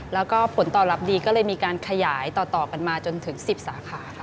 แล้วก็ผลตอบรับดีก็เลยมีการขยายต่อกันมาจนถึง๑๐สาขาค่ะ